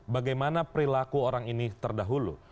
bagaimana perilaku orang ini terdahulu